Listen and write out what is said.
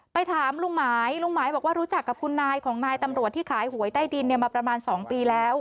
ไปถามลุงหมายลุงหมายบอกว่ารู้จักกับคุณนายของนายตำรวจที่ขายหวยใต้ดินเนี่ยมาประมาณ๒ปีแล้ว